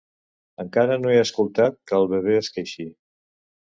Encara no he escoltat que el bebè es queixi.